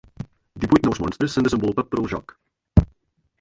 Divuit nous monstres s'han desenvolupat per al joc.